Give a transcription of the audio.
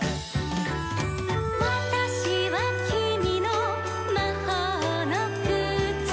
「『わたしはきみのまほうのくつ』」